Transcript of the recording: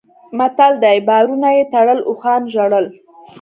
متل دی: بارونه یې تړل اوښانو ژړل.